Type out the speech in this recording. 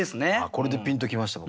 これでピンと来ました僕。